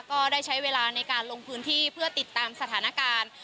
ก็ได้ใช้เวลาในการลงพื้นที่เพื่อติดตามสถานการณ์